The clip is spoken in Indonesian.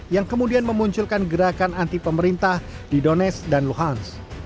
yang kemudian memunculkan gerakan anti pemerintah di dones dan luhans